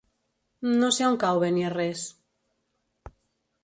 No sé on cau Beniarrés.